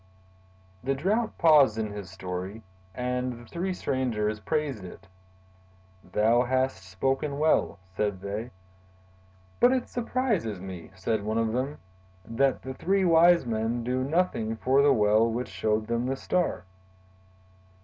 The Drought paused in his story, and the three strangers praised it. "Thou hast spoken well," said they. "But it surprises me," said one of them, "that the three wise men do nothing for the well which showed them the Star.